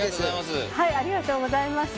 ありがとうございます。